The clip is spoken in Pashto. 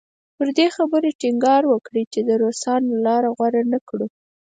پر دې خبرې ټینګار وکړي چې د روسانو لاره غوره نه کړو.